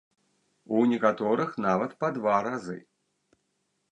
У некаторых нават па два разы.